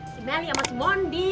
si meli sama si mondi